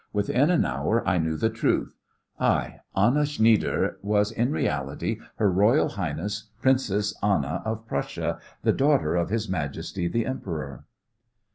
Within an hour I knew the truth. I, Anna Schnieder, was in reality Her Royal Highness Princess Anna of Prussia, the daughter of His Majesty the Emperor."